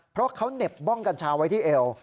เพราะเขาเหน็บบ้องกัญชาไว้ที่เอว